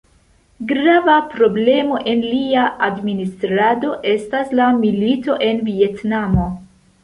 Grava problemo en lia administrado estas la milito en Vjetnamo.